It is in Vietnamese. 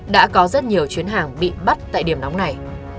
đã có rất nhiều chuyến hàng bị bắt tại điểm nóng này